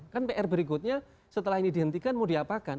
kan pr berikutnya setelah ini dihentikan mau diapakan